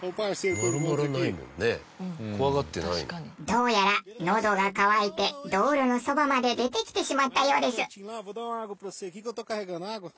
どうやらのどが渇いて道路のそばまで出てきてしまったようです。